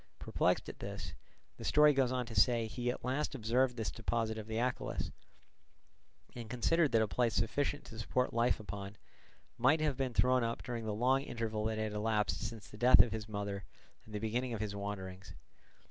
Perplexed at this, the story goes on to say, he at last observed this deposit of the Achelous, and considered that a place sufficient to support life upon, might have been thrown up during the long interval that had elapsed since the death of his mother and the beginning of his wanderings.